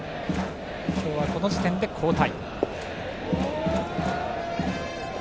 今日はこの時点での交代。